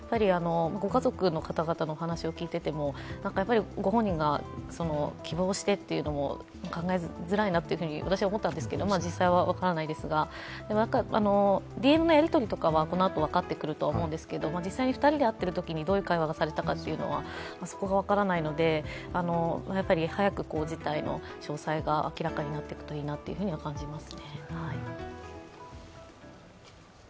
ご家族の方々の話を聞いていても、ご本人が希望してというのも考えづらいなと私は思ったんですけれども、実際は分からないですが、ＤＭのやり取りとかはこのあと分かってくるとは思うんですが、実際に２人で会っているときにどういう会話がされたのかはそこが分からないので、早く事態の詳細が明らかになっていくといいなと感じます。